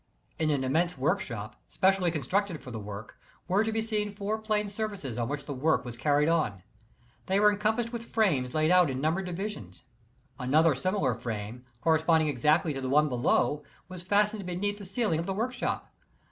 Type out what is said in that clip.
In an immense workshop, specially constructed for the work, were to be seen four plane surfaces on which the \vork was carried on, Tliey were encom passed with frames laid out in numbered divisions. Another similar frame, corresponding exactly to the one below, was fastened beneath the ceiling of the workshop.